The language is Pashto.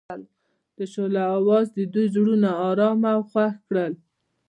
د شعله اواز د دوی زړونه ارامه او خوښ کړل.